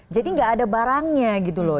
jadi tidak ada barangnya gitu loh